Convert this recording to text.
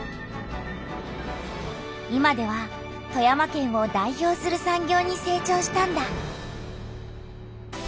今では富山県を代表する産業にせい長したんだ。